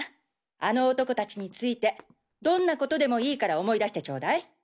あの男達についてどんなことでもいいから思い出してちょうだい！